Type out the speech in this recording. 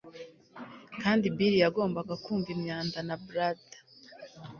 kandi bill yagombaga kumva imyanda na blather